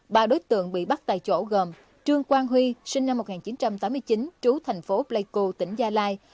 ba đối tượng bị bắt tại chỗ gồm trương quang huy sinh năm một nghìn chín trăm tám mươi chín trú thành phố pleiku tỉnh gia lai